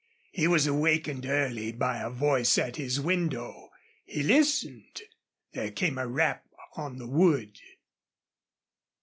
He was awakened early by a voice at his window. He listened. There came a rap on the wood.